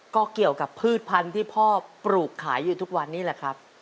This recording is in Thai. ก็เกี่ยวกับพืชพันธุ์ที่พ่อปลูกขายอยู่ทุกวันนี้แหละครับ